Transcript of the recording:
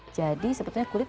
jadi sebetulnya kulit